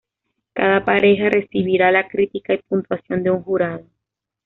Cada pareja recibirá la crítica y puntuación de un jurado.